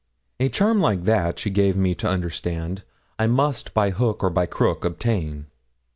A charm like that, she gave me to understand, I must by hook or by crook obtain.